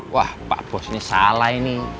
wah pak bos ini salah ini